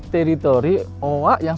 teritori owa yang